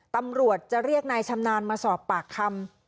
ตำรวจจะเรียกนายชำนาญมาสอบปากคำ